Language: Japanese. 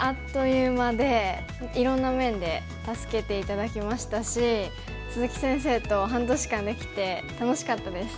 いろんな面で助けて頂きましたし鈴木先生と半年間できて楽しかったです。